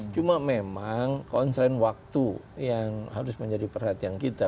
cuma memang konslen waktu yang harus menjadi perhatian kita